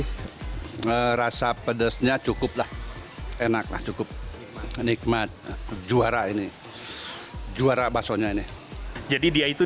hai merasa pedasnya cukup lah enaklah cukup nikmat juara ini juara basonya ini jadi dia itu